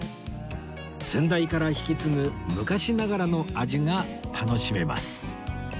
先代から引き継ぐ昔ながらの味が楽しめます